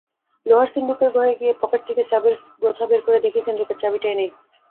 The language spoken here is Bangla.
লোহার সিন্দুকের ঘরে গিয়ে পকেট থেকে চাবির গোছা বের করে দেখি সিন্দুকের চাবিটাই নেই।